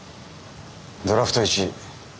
ドラフト１位。